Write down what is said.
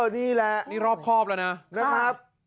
นี่แหละนี่รอบครอบแล้วนะ